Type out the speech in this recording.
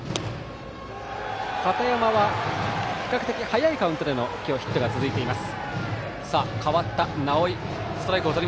比較的早いカウントでのヒットが続いています。